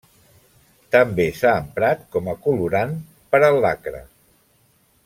També s'ha emprat com a colorant per al lacre.